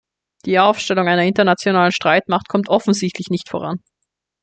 Die Aufstellung einer internationalen Streitmacht kommt offensichtlich nicht voran.